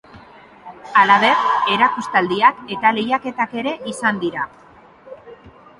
Halaber, erakustaldiak eta lehiaketak ere izan dira.